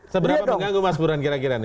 seberapa mengganggu mas buran kira kira nih